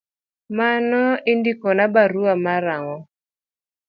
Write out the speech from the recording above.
Mano indikona barua mar ang’o?